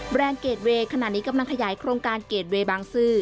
เกรดเวย์ขณะนี้กำลังขยายโครงการเกรดเวย์บางซื่อ